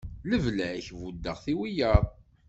Lebla-k buddeɣ-t i wiyyaḍ.